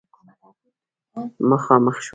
مخامخ شوه